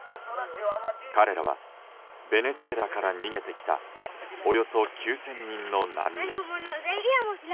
彼らはベネズエラから逃げてきたおよそ９０００人の難民。